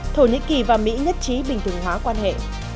thổ nhĩ kỳ và mỹ nhất trí bình thường hóa quan hệ